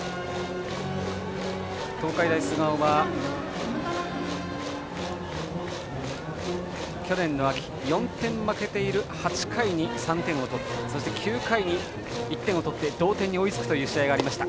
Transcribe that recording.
東海大菅生は去年の秋４点負けている８回に３点取ってそして９回に１点取って同点に追いつくという試合がありました、